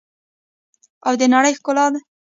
او د نړۍ ښکلا دي.